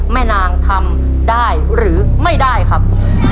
แม่นางทำได้หรือไม่ได้ครับ